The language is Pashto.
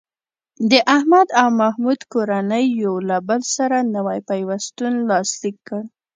د احمد او محمود کورنۍ یو له بل سره نوی پیوستون لاسلیک کړ.